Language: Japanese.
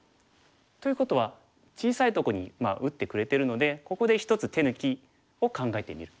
ということは小さいとこに打ってくれてるのでここで一つ手抜きを考えてみる。